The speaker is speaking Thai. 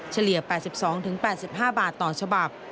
เฉลี่ย๘๒๘๕บาทต่อฉบับ